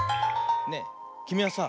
ねえきみはさ